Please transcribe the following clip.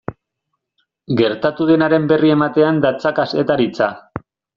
Gertatu denaren berri ematean datza kazetaritza.